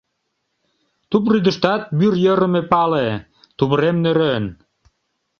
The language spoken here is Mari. Тупрӱдыштат вӱр йӧрымӧ пале: тувырем нӧрен.